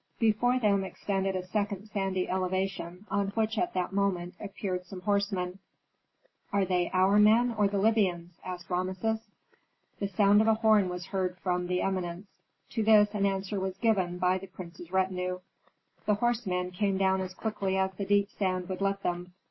Before them extended a second sandy elevation, on which at that moment appeared some horsemen. "Are they our men, or the Libyans?" asked Rameses. The sound of a horn was heard from the eminence; to this an answer was given by the prince's retinue. The horsemen came down as quickly as the deep sand would let them.